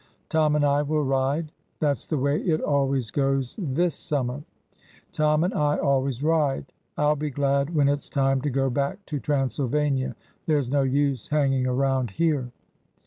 Tom and I will ride.' That 's the way it always goes this summer. ' Tom and I ' always ride ! I 'll be glad when it 's time to go back to Transylvania! There's no use hanging around here."